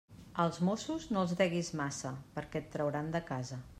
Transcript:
Als mossos no els deguis massa, perquè et trauran de casa.